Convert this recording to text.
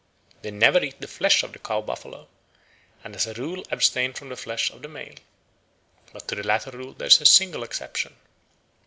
They never eat the flesh of the cow buffalo, and as a rule abstain from the flesh of the male. But to the latter rule there is a single exception.